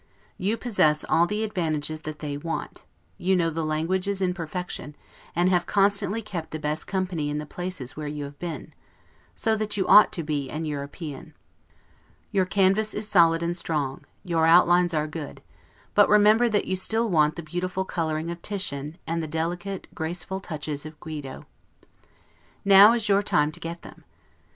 You possess all the advantages that they want; you know the languages in perfection, and have constantly kept the best company in the places where you have been; so that you ought to be an European. Your canvas is solid and strong, your outlines are good; but remember that you still want the beautiful coloring of Titian, and the delicate, graceful touches of Guido. Now is your time to get them.